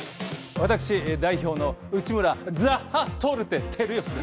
私代表の内村・ザッハトルテ・光良です。